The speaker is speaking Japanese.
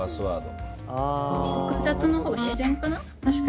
複雑の方が自然かな。